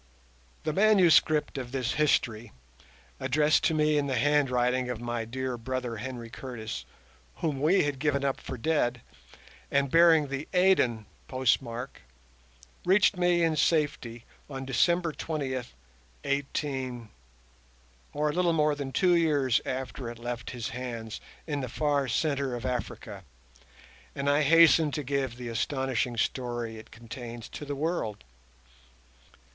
The MS of this history, addressed to me in the handwriting of my dear brother Henry Curtis, whom we had given up for dead, and bearing the Aden postmark, reached me in safety on December 20, 18—, or a little more than two years after it left his hands in the far centre of Africa, and I hasten to give the astonishing story it contains to the world.